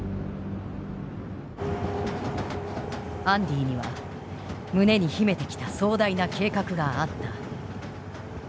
アンディには胸に秘めてきた壮大な計画があった。